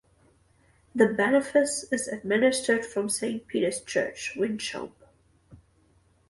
The benefice is administered from Saint Peter's church, Winchcombe.